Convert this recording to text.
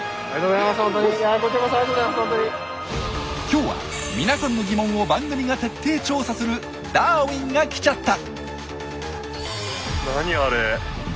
今日は皆さんの疑問を番組が徹底調査する「ダーウィンが来ちゃった！」。